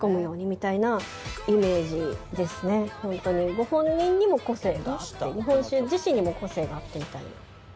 ご本人にも個性があって日本酒自身にも個性があってみたいな。